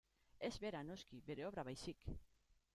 Ez bera, noski, bere obra baizik.